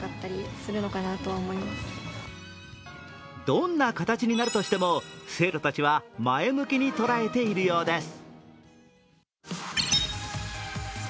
どんな形になるとしても生徒たちは前向きに捉えているようです。